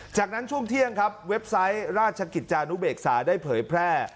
จากนั้นช่วงเที่ยงครับเว็บไซต์ราชกิจจานุเบกษาได้เผยแพร่